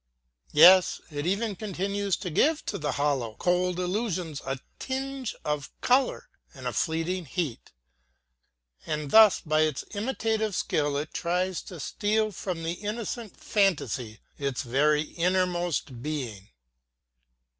Yes, it even continues to give to the hollow, cold illusions a tinge of color and a fleeting heat; and thus by its imitative skill it tries to steal from the innocent fantasy its very innermost being.